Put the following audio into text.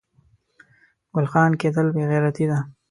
ګل خان کیدل بې غیرتي ده